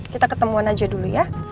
kita ketemuan aja dulu ya